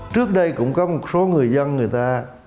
trước đây cũng có một số người dân người ta